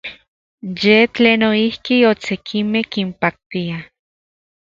Yej tlen noijki oksekimej kinpaktia.